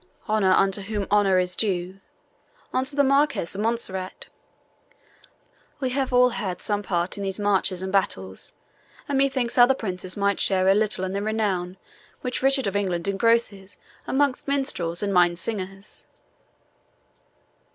"Honour unto whom honour is due," answered the Marquis of Montserrat. "We have all had some part in these marches and battles, and methinks other princes might share a little in the renown which Richard of England engrosses amongst minstrels and MINNE SINGERS.